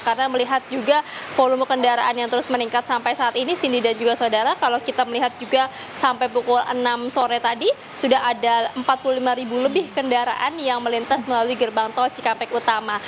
karena melihat juga volume kendaraan yang terus meningkat sampai saat ini sini dan juga saudara kalau kita melihat juga sampai pukul enam sore tadi sudah ada empat puluh lima lebih kendaraan yang melintas melalui gerbang tol cikampek utama